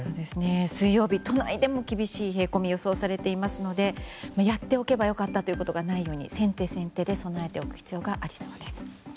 水曜日、都内でも厳しい冷え込みが予想されていますのでやっておけばよかったということがないように先手、先手で備えておく必要がありそうです。